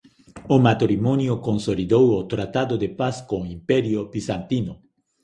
O matrimonio consolidou o tratado de paz co Imperio bizantino.